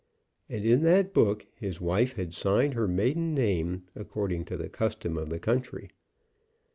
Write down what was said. And in that book his wife had signed her maiden name, according to the custom of the country.